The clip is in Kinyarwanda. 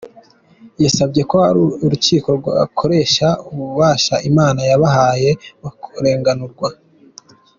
Yasabye ko urukiko rwakoresha ububasha Imana yabahaye bakarenganurwa.